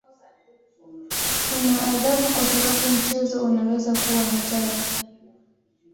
Kuna adhabu kwa sababu mchezo unaweza kuwa hatari.